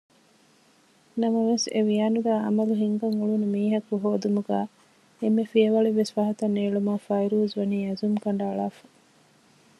ނަމަވެސް އެވިޔާނުދާ ޢަމަލު ހިންގަން އުޅުނު މީހަކު ހޯދުމުގައި އެންމެ ފިޔަވަޅެއްވެސް ފަހަތަށް ނޭޅުމަށް ފައިރޫޒްވަނީ އަޒުމު ކަނޑައަޅާފަ